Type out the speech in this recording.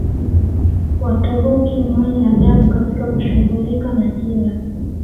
Waturuki ni wenye adabu katika kushughulika na kila